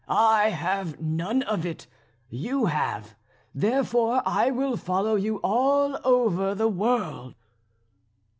I have none of it; you have, therefore I will follow you all over the world."